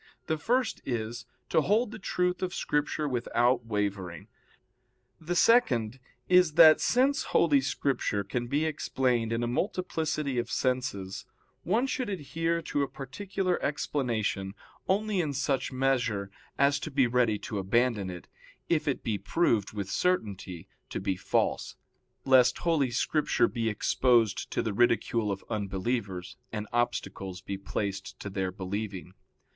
The first is, to hold the truth of Scripture without wavering. The second is that since Holy Scripture can be explained in a multiplicity of senses, one should adhere to a particular explanation, only in such measure as to be ready to abandon it, if it be proved with certainty to be false; lest Holy Scripture be exposed to the ridicule of unbelievers, and obstacles be placed to their believing.